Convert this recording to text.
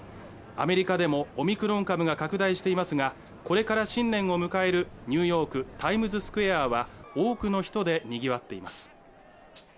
アメリカでもオミクロン株が拡大していますが、これから新年を迎えるニューヨークタイムズスクエアは多くの人でにぎわっています。